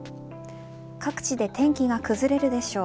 各地で天気が崩れるでしょう。